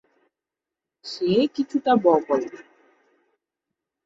সে কিছুটা ব-কলম।